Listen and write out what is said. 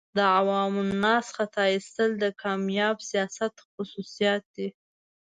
د عوام الناس خطا ایستل د کامیاب سیاست خصوصیات دي.